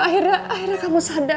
akhirnya kamu sadar